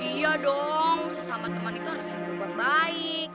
iya dong sesama teman itu harus berbuat baik